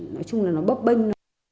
nói chung là nó bóp bênh